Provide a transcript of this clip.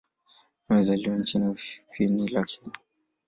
Amezaliwa nchini Ufini lakini.